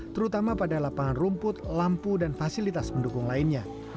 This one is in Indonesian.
terutama pada lapangan rumput lampu dan fasilitas pendukung lainnya